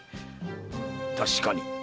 確かに。